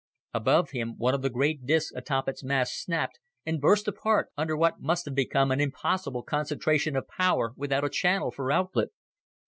Above him, one of the great discs atop its mast snapped and burst apart under what must have become an impossible concentration of power without a channel for outlet.